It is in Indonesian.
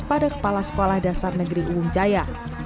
pada kepala sekolah dasar negeri uwung jaya